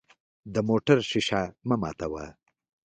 د موټر شیشه مه ماتوه.